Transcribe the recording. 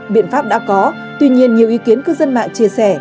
biện pháp đã có tuy nhiên nhiều ý kiến cư dân mạng chia sẻ